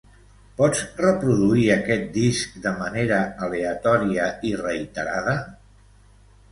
Pots reproduir aquest disc de manera aleatòria i reiterada?